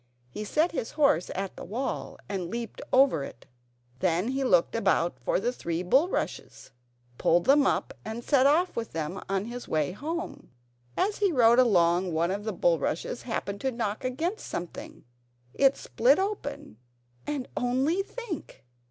He set his horse at the wall and leaped over it. Then he looked about for the three bulrushes, pulled them up and set off with them on his way home. As he rode along one of the bulrushes happened to knock against something. It split open and, only think!